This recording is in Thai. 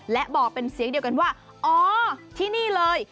และบอกเป็นเสียงเดียวกันว่าอ๋อที่นี่เลย